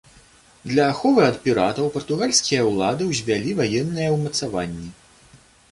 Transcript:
Для аховы ад піратаў партугальскія ўлады ўзвялі ваенныя ўмацаванні.